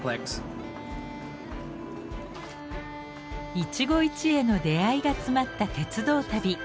一期一会の出会いが詰まった鉄道旅。